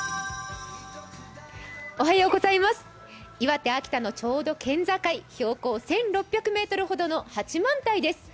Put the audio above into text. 岩手、秋田のちょうど県境、標高１６００ｍほどの八幡平です。